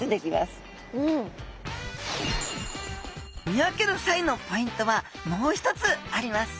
見分けるさいのポイントはもう一つあります。